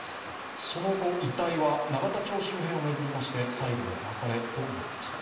その後、遺体は永田町周辺を巡りまして最後の別れとなりました。